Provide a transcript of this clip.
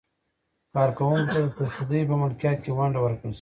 کارکوونکو ته د تصدیو په ملکیت کې ونډه ورکړل شي.